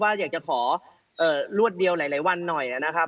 อยากจะขอรวดเดียวหลายวันหน่อยนะครับ